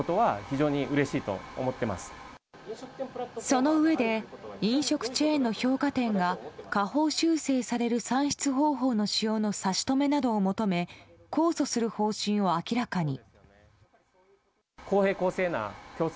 そのうえで飲食チェーンの評価点が下方修正される算出方法の仕様の差し止めなどを求め控訴する方針を明らかに。